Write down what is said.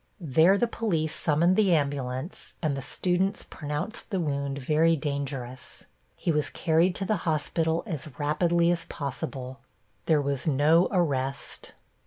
There the police summoned the ambulance and the students pronounced the wound very dangerous. He was carried to the hospital as rapidly as possible. There was no arrest.